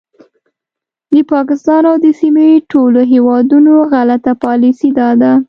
د پاکستان او د سیمې ټولو هیوادونو غلطه پالیسي دا ده